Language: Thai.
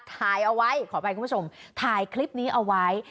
ถ่ายเอาไว้ขออภัยคุณผู้ชมถ่ายคลิปนี้เอาไว้